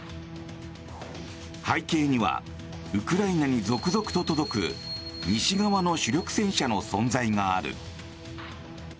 背景にはウクライナに続々と届く西側の主力戦車の存在がある。